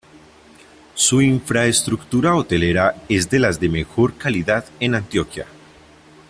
Su infraestructura hotelera es de las de mejor calidad en Antioquia.